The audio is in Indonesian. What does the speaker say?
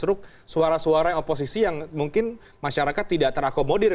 justru suara suara oposisi yang mungkin masyarakat tidak terakomodir